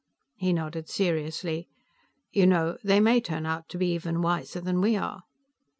He nodded seriously. "You know, they may turn out to be even wiser than we are."